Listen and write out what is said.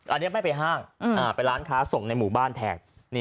อันนี้ไม่ไปห้างไปร้านค้าส่งในหมู่บ้านแทน